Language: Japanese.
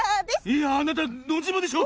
いやあなたノジマでしょ！